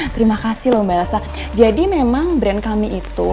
terima kasih mbak elsa jadi memang brand kami itu